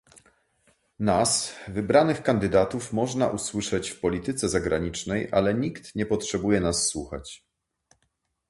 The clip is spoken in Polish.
Nas, wybranych kandydatów, można usłyszeć w polityce zagranicznej, ale nikt nie potrzebuje nas słuchać